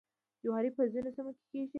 جواری په ځینو سیمو کې کیږي.